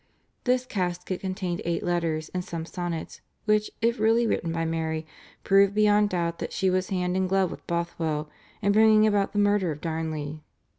This casket contained eight letters and some sonnets, which, if really written by Mary, proved beyond doubt that she was hand in glove with Bothwell in bringing about the murder of Darnley.